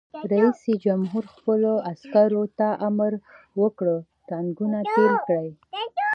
رئیس جمهور خپلو عسکرو ته امر وکړ؛ ټانکونه تېل کړئ!